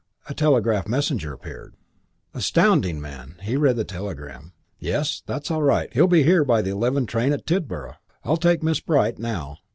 A telegraph messenger appeared. Astounding man! He read the telegram. "Yes, that's all right. He'll be here by the eleven train at Tidborough. I'll take Miss Bright now."